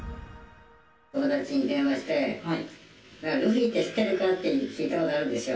友達に電話して、ルフィって知ってるかって聞いたことあるんですよ。